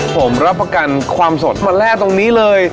ผมรับประกันความสดมาแร่ตรงนี้เลย